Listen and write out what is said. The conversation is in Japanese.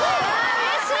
うれしい。